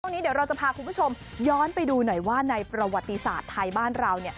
วันนี้เดี๋ยวเราจะพาคุณผู้ชมย้อนไปดูหน่อยว่าในประวัติศาสตร์ไทยบ้านเรา